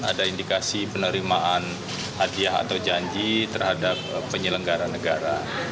ada indikasi penerimaan hadiah atau janji terhadap penyelenggara negara